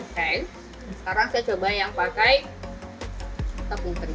sekarang saya coba yang pakai tepung teri